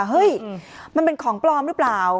เฮ้ยมันเป็นของปลอมหรือเปล่า